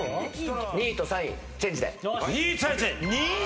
２位と３位チェンジで。